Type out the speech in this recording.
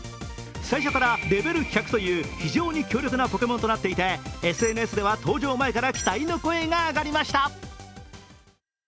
最初からレベル１００という非常に強力なポケモンとなっていてＳＮＳでは登場前から期待の声が上がりました。